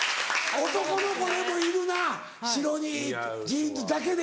男の子でもいるな白にジーンズだけで。